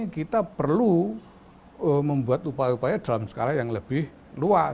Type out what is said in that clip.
kita perlu membuat upaya upaya dalam skala yang lebih luas